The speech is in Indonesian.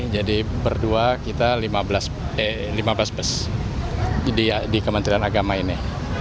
jadi berdua kita lima belas bus di kementerian agama ini